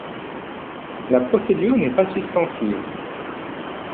La procédure n'est pas suspensive.